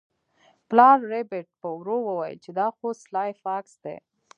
پلار ربیټ په ورو وویل چې دا خو سلای فاکس دی